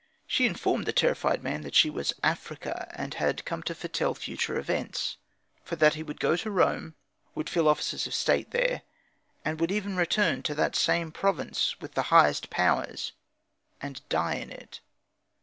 She informed the terrified man that she was "Africa," and had come to foretell future events; for that he would go to Rome, would fill offices of state there, and would even return to that same province with the highest powers, and die in it.